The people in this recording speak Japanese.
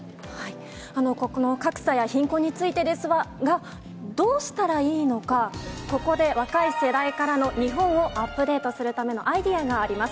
ここの格差や貧困についてですが、どうしたらいいのか、ここで若い世代からの日本をアップデートするためのアイデアがあります。